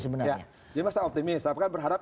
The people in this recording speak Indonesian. sebenarnya jadi masak optimis saya berharap